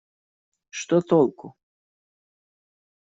Что толку?..